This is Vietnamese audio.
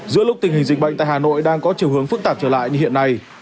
giữa lúc tình hình dịch bệnh tại hà nội đang có chiều hướng phức tạp trở lại như hiện nay